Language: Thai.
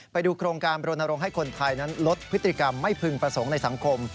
ไปดูโครงการบรณรงค์ให้คนไทยนั้นลดพฤติกรรมไม่พึงประสงค์ในสังคม